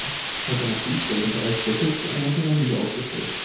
Alternativ werden drei Stöcke zu einer Pyramide aufgestellt.